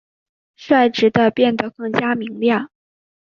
率直地变得更加明亮！